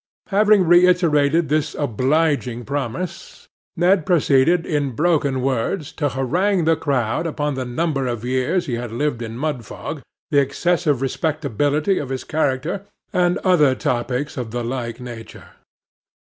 Having reiterated this obliging promise, Ned proceeded in broken words to harangue the crowd upon the number of years he had lived in Mudfog, the excessive respectability of his character, and other topics of the like nature.